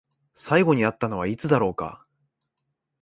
最後に会ったのはいつだろうか？